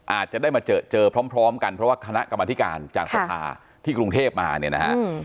อาจจะได้มาเจอเจอพร้อมกันเพราะว่าคณะกรรมธิการจากสภาที่กรุงเทพมาเนี่ยนะฮะ